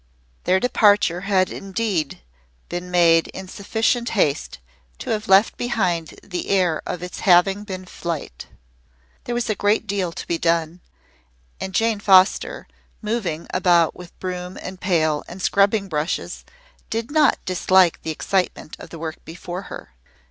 Their departure had indeed been made in sufficient haste to have left behind the air of its having been flight. There was a great deal to be done, and Jane Foster, moving about with broom and pail and scrubbing brushes, did not dislike the excitement of the work before her.